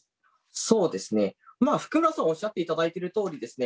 そうですね福村さんおっしゃっていただいてるとおりですね